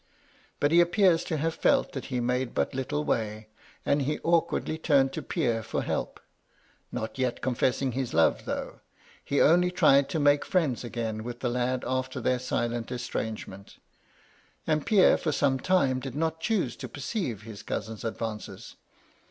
^^ But he appears to have felt that he made but little way, and he awkwardly turned to Pierre for help — ^not yet confessing his love, though ; he only tried to make friends again with the lad after their silent estrange ment And Pierre for some time did not choose to perceive his cousin's advances.